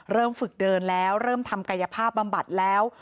เริ่มฝึกเดินแล้วเริ่มทำกายภาพบำบัดแล้ว